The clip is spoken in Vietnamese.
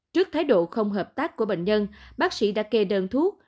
trước thái độ không hợp tác của bệnh nhân bác sĩ đã kê đơn thuốc